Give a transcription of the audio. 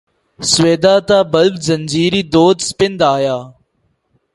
سویدا تا بلب زنجیری دود سپند آیا